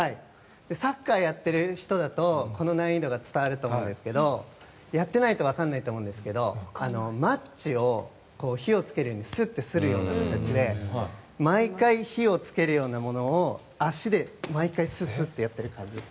サッカーをやってる人だとこの難易度が伝わると思うんですがやってないと分からないと思うんですけどマッチを火を付けるようにスッとするような形で毎回、火を付けるようなものを足で毎回やっている感じです。